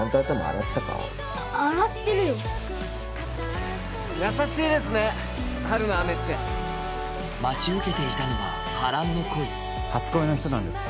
洗ってるよ優しいですね春の雨って待ち受けていたのは波乱の恋初恋の人なんです